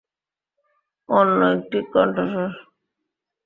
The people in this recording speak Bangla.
অন্য একটি কন্ঠস্বর।